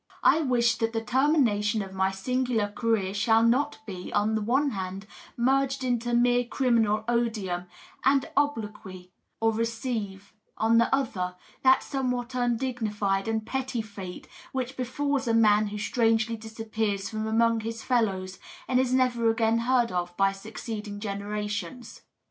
I wish that the termination of my singular career shall not be, on the one hand, merged into mere criminal odium and obloquy, or receive, on the other, that somewhat undignified and petty fate which be&Us a man who strangely disappears from among his fellows and is never again heard of by succeeding generations.